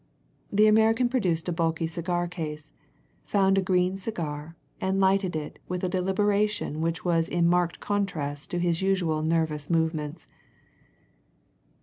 The American produced a bulky cigar case, found a green cigar, and lighted it with a deliberation which was in marked contrast to his usual nervous movements.